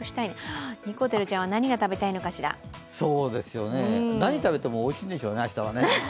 ああ、にこてるちゃんは何が食べたいのかしら何食べてもおいしいんでしょうね、明日はね。